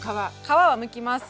皮はむきます。